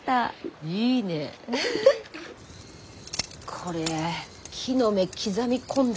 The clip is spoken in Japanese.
これ木の芽刻み込んだ